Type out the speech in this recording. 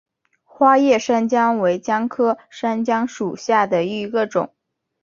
花叶山姜为姜科山姜属下的一个种。